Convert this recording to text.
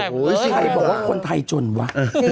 ใครบอกว่าคนไทยจนวะ